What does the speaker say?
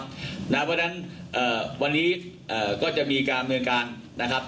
เพราะฉะนั้นวันนี้ก็จะมีการดำเนินการนะครับ